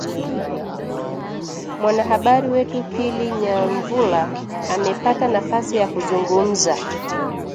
Mwanahabari wetu Pili Nyamvula amepata nafasi ya kuzungumza